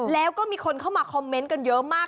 แล้วก็มีคนเข้ามาคอมเมนต์กันเยอะมาก